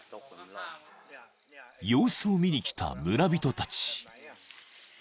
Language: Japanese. ［様子を見に来た村人たち］